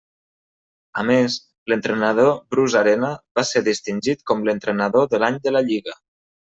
A més, l'entrenador Bruce Arena va ser distingit com l'Entrenador de l'any de la lliga.